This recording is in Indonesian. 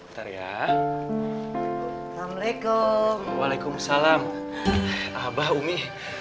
assalamualaikum waalaikumsalam abah umi